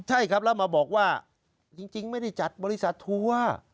ใช่ครับแล้วมาบอกว่าจริงไม่ได้จัดบริษัททัวร์